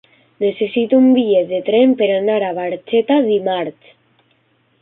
Necessito un bitllet de tren per anar a Barxeta dimarts.